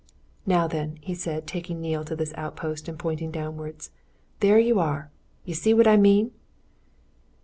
"Now, then," he said, taking Neale to this outlook, and pointing downwards. "There you are! you see what I mean?"